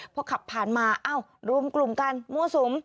พอขับผ่านมาเอ้ารวมกลุ่มกันมั่วสุม